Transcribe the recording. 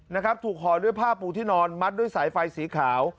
นะครับถูกห่อด้วยผ้าปูที่นอนมัดด้วยสายไฟสีขาว